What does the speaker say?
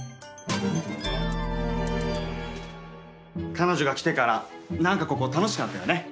彼女が来てから何かここ楽しくなったよね。